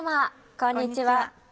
こんにちは。